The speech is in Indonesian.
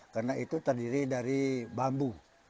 karena itu terdiri dari bambu